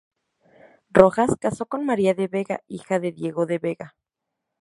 Rojas casó con María de Vega, hija de Diego de Vega.